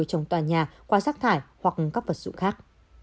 trong tòa nhà qua rác thải hoặc các vật dụng khác